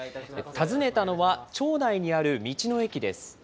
訪ねたのは、町内にある道の駅です。